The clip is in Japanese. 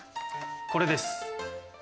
これです。